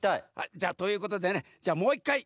じゃということでねじゃあもう１かい